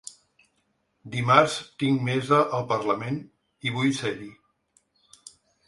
Dimarts tinc mesa al parlament, i vull ser-hi.